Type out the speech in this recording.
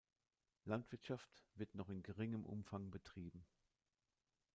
Landwirtschaft wird noch in geringem Umfang betrieben.